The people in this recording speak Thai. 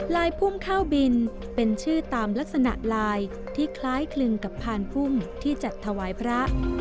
พุ่มข้าวบินเป็นชื่อตามลักษณะลายที่คล้ายคลึงกับพานพุ่มที่จัดถวายพระ